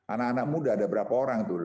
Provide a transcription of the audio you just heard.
anak anak muda ada berapa orang tuh